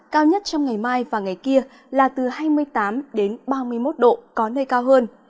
cao nhất trong ngày mai và ngày kia là từ hai mươi tám đến ba mươi một độ có nơi cao hơn